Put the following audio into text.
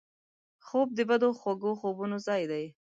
خوب د بدو خوږو خوبونو ځای دی